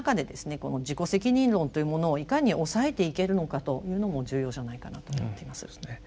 この自己責任論というものをいかに抑えていけるのかというのも重要じゃないかなと思っています。